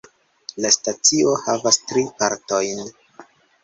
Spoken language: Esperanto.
La stacio havas tri partojn.